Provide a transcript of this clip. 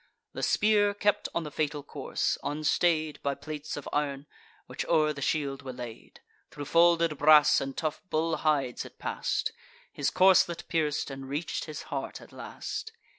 The spear kept on the fatal course, unstay'd By plates of ir'n, which o'er the shield were laid: Thro' folded brass and tough bull hides it pass'd, His corslet pierc'd, and reach'd his heart at last.